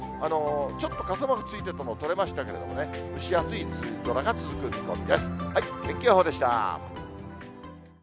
ちょっと傘マークついてたのとれましたけれどもね、蒸し暑い梅雨曇りで干すとクサくなるかなぁ。